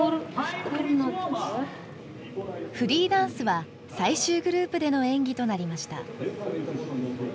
フリーダンスは最終グループでの演技となりました。